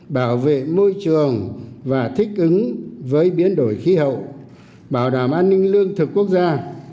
bảo vệ môi trường và thích ứng với biến đổi khí hậu bảo đảm an ninh lương thực quốc gia